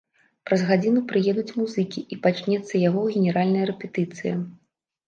Праз гадзіну прыедуць музыкі і пачнецца яго генеральная рэпетыцыя.